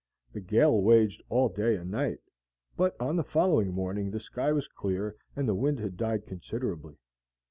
The gale waged all day and night, but on the following morning the sky was clear and the wind had died considerably.